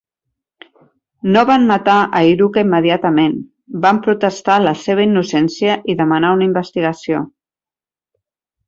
No van matar a Iruka immediatament, van protestar la seva innocència i demanar una investigació.